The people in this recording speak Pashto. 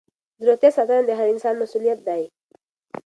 د روغتیا ساتنه د هر انسان مسؤلیت دی.